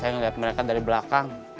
saya melihat mereka dari belakang